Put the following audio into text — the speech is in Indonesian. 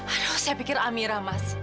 aduh saya pikir amira mas